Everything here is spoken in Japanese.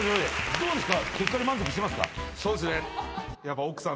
どうですか？